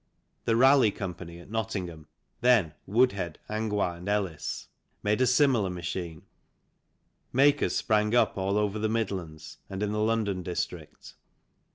The Raleigh Co., at Nottingham (then Woodhead, Angois and Ellis) made a similar machine. Makers sprang up all over the Midlands and in the London district.